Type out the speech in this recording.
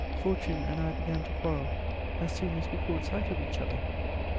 Fortune and I began to quarrel as soon as we caught sight of each other.